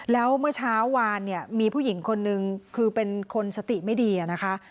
แล้วเมื่อเช้าวานเนี่ยมีผู้หญิงคนนึงคือเป็นคนสติไม่ดีนะคะ